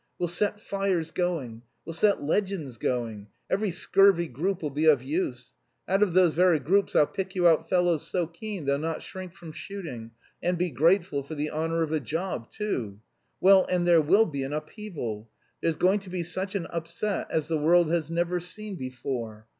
We'll set fires going.... We'll set legends going. Every scurvy 'group' will be of use. Out of those very groups I'll pick you out fellows so keen they'll not shrink from shooting, and be grateful for the honour of a job, too. Well, and there will be an upheaval! There's going to be such an upset as the world has never seen before....